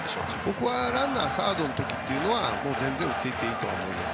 ここはランナーサードの時というのはもう全然打っていっていいと思います。